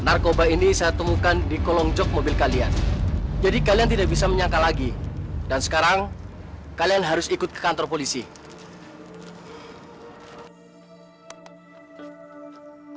narkoba ini saya temukan di kolong jog mobil kalian jadi kalian tidak bisa menyangka lagi dan sekarang kalian harus ikut ke kantor polisi